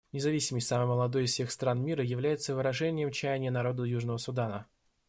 Независимость самой молодой из всех стран мира является выражением чаяний народа Южного Судана.